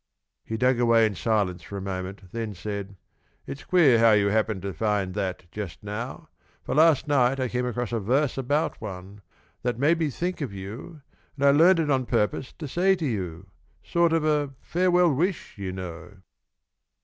He dug away in silence for a moment, then said, "It's queer how you happened to find that just now, for last night I came across a verse about one, that made me think of you, and I learned it on purpose to say to you sort of a farewell wish, you know."